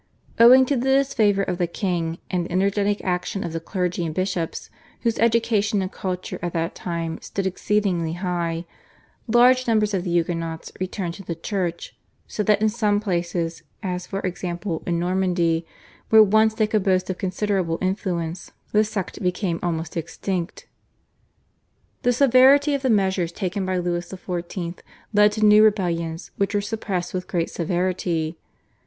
Owing to the disfavour of the king and the energetic action of the clergy and bishops, whose education and culture at that time stood exceedingly high, large numbers of the Huguenots returned to the Church so that in some places, as for example in Normandy, where once they could boast of considerable influence, the sect became almost extinct. The severity of the measures taken by Louis XIV. led to new rebellions, which were suppressed with great severity.